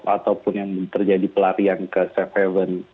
ataupun yang terjadi pelarian ke safe haven